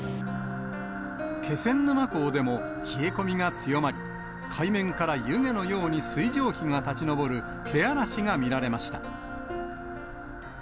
気仙沼港でも、冷え込みが強まり、海面から湯気のように水蒸気が立ち上るけあらしが見られました。